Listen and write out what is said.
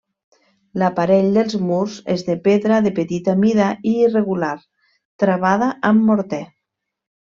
L'aparell dels murs és de pedra de petita mida i irregular, travada amb morter.